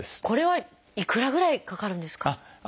これはいくらぐらいかかるんですか？